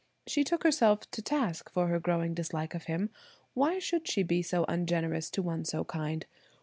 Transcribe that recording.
She took herself to talk for her growing dislike of him. Why should she be so ungenerous to one so kind?